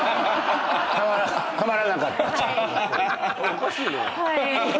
おかしいね。